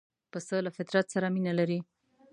پسه له فطرت سره مینه لري.